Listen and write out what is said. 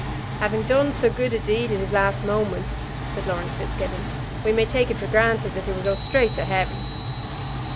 "Having done so good a deed in his last moments," said Laurence Fitzgibbon, "we may take it for granted that he will go straight to heaven."